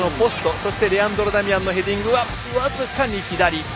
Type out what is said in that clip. そしてレアンドロ・ダミアンのヘディングは僅かに左。